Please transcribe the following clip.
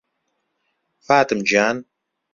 فاتم گیان